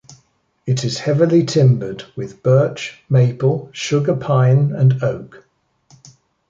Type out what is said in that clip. It is heavily timbered with Birch, Maple, Sugar Pine and Oak.